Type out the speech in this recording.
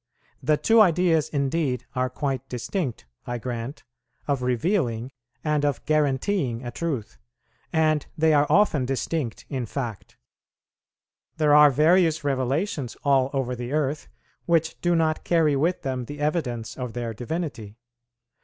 The two ideas indeed are quite distinct, I grant, of revealing and of guaranteeing a truth, and they are often distinct in fact. There are various revelations all over the earth which do not carry with them the evidence of their divinity.